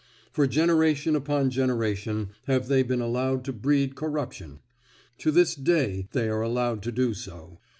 For generation upon generation have they been allowed to breed corruption; to this day they are allowed to do so.